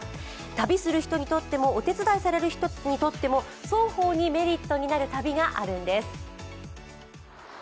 旅する人にとってもお手伝いする人にとっても双方にメリットがあるんです。